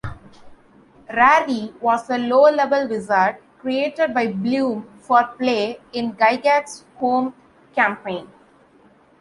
Rary was a low-level wizard created by Blume for play in Gygax's home campaign.